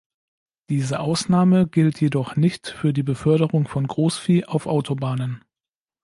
Diese Ausnahme gilt jedoch nicht für die Beförderung von Großvieh auf Autobahnen.